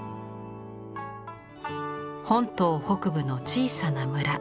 本島北部の小さな村